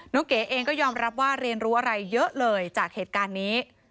เก๋เองก็ยอมรับว่าเรียนรู้อะไรเยอะเลยจากเหตุการณ์นี้